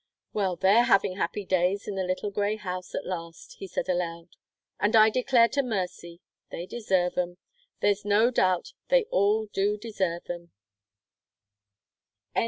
"Well, they're havin' happy days in the little grey house at last," he said aloud. "And I declare to mercy, they deserve 'em! There's no doubt they all do deserve 'em."